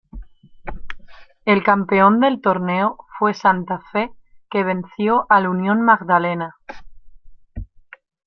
El campeón del torneo fue Santa Fe que venció al Unión Magdalena.